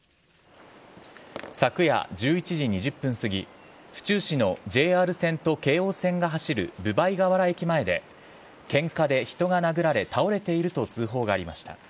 昨夜１１時２０分過ぎ、府中市のＪＲ線と京王線が走る分倍河原駅前でけんかで人が殴られ倒れていると通報がありました。